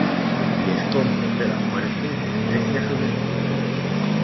y escombros de la muerte desprecia su virtud.